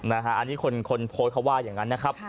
อันนี้คนโพสต์เขาว่าอย่างนั้นนะครับ